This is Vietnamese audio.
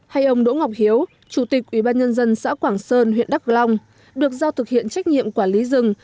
hay ông đỗ ngọc hiếu chủ tịch ubnd xã quảng sơn huyện đắk long được giao thực hiện trách nhiệm quản lý rừng